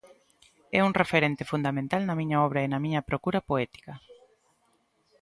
É un referente fundamental na miña obra e na miña procura poética.